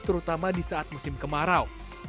terutama di saat musim kemarau